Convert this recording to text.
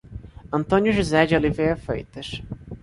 Antônio José de Oliveira Freitas